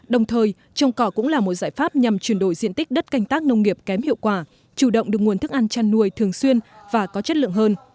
đồng thời trồng cỏ cũng là một giải pháp nhằm chuyển đổi diện tích đất canh tác nông nghiệp kém hiệu quả chủ động được nguồn thức ăn chăn nuôi thường xuyên và có chất lượng hơn